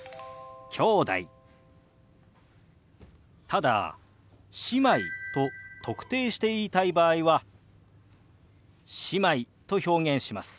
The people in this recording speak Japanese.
ただ「姉妹」と特定して言いたい場合は「姉妹」と表現します。